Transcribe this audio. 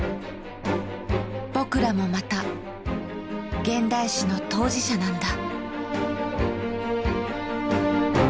僕らもまた現代史の当事者なんだ。